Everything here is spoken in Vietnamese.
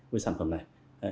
về sản phẩm này